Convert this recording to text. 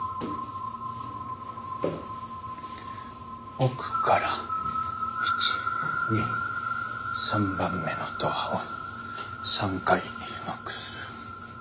奥から１２３番目のドアを３回ノックする。